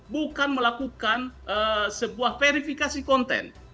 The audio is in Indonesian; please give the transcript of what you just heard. bukan melakukan sebuah verifikasi konten